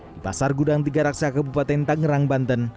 di pasar gudang tiga raksa kabupaten tangerang banten